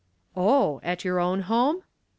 " Oh ! At your own home ?